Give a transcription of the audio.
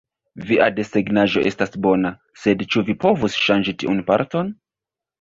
"Via desegnaĵo estas bona, sed ĉu vi povus ŝanĝi tiun parton?"